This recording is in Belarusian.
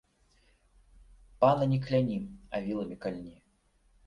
Пана не кляні, а віламі кальні